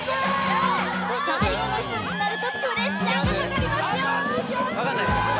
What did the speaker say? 最後の１曲になるとプレッシャーがかかりますよ分かんないっすか？